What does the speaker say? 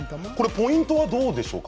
ポイントはどうでしょうか？